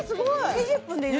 ２０分でいいの？